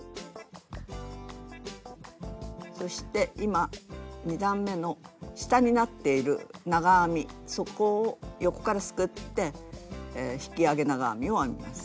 そして今２段めの下になっている長編みそこを横からすくって引き上げ長編みを編みます。